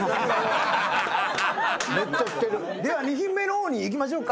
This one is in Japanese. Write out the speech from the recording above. では２品目の方にいきましょうか。